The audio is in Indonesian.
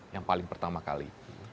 yang paling pertama kali